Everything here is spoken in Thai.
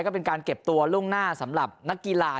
ก็เป็นการเก็บตัวล่วงหน้าสำหรับนักกีฬา